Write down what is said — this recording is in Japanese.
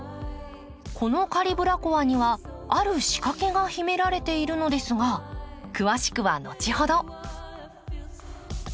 このカリブラコアにはある仕掛けが秘められているのですが詳しくは後ほど。